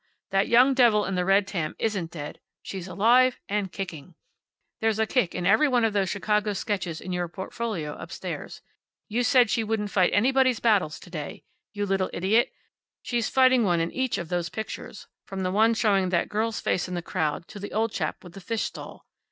That young devil in the red tam isn't dead. She's alive. And kicking. There's a kick in every one of those Chicago sketches in your portfolio upstairs. You said she wouldn't fight anybody's battles to day. You little idiot, she's fighting one in each of those pictures, from the one showing that girl's face in the crowd, to the old chap with the fish stall.